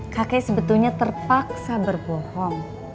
kakek sebetulnya terpaksa berbohong